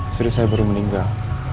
istri saya baru meninggal